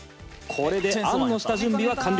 これで餡の下準備は完了